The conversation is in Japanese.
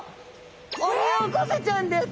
オニオコゼちゃんです。